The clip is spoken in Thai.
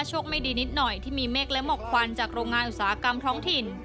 โชคไม่ดีนิดหน่อยที่มีเมฆและหมอกควันจากโรงงานอุตสาหกรรมท้องถิ่น